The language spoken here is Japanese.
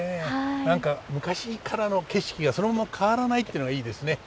何か昔からの景色がそのまま変わらないってのがいいですね。